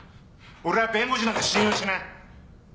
俺は弁護士なんか信用しない。